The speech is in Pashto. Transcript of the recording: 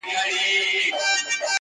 څوك به ليكي دېوانونه د غزلو؛